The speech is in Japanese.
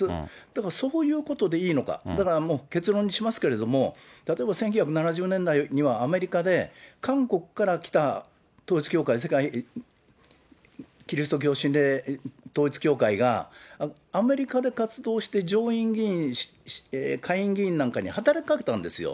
だからそういうことでいいのか、だから、結論にしますけれども、例えば１９７０年代にはアメリカで韓国から来た統一教会、世界基督教神霊協会が、アメリカで活動して上院議員、下院議員なんかに働きかけたんですよ。